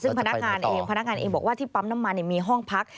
ซึ่งพนักงานเองบอกว่าที่ปั๊มน้ำมันมีห้องพัก